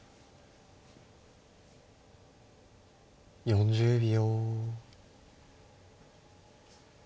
４０秒。